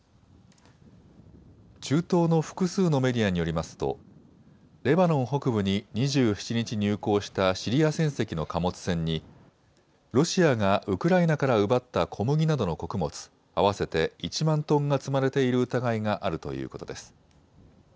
中東の複数のメディアによりますとレバノン北部に２７日入港したシリア船籍の貨物船に、ロシアがウクライナから奪った小麦などの穀物合わせて１万トンが積まれている疑いがあるということです。